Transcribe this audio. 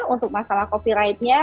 untuk masalah copyrightnya